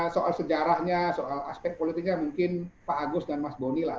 soal sejarahnya soal aspek politiknya mungkin pak agus dan mas boni lah